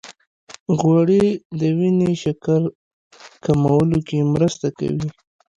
غوړې د وینې شکر کمولو کې مرسته کوي.